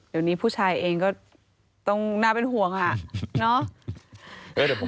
เดี๋ยวนี้ผู้ชายเองก็ต้องน่าเป็นห่วงค่ะ